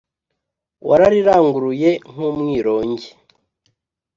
Warariranguruye nk'umwirongi